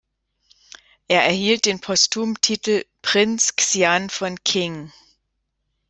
Er erhielt den postumen Titel "Prinz Xian von Qin".